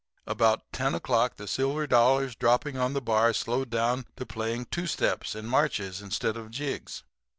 "About ten o'clock the silver dollars dropping on the bar slowed down to playing two steps and marches instead of jigs.